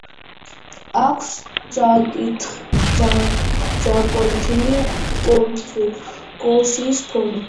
აქვს წაკვეთილი კონუსის ფორმა.